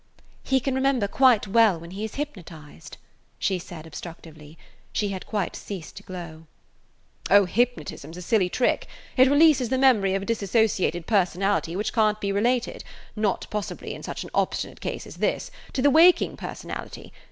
"He can remember quite well when he is hypnotized," she said obstructively. She had quite ceased to glow. "Oh, hypnotism 's a silly trick. It releases the memory of a dissociated personality which can't be related–not possibly in such an obstinate case as this–to the waking personality.